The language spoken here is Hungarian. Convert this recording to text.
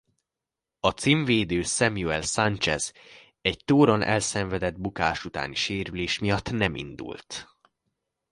A címvédő Samuel Sánchez egy Touron elszenvedett bukás utáni sérülés miatt nem indult.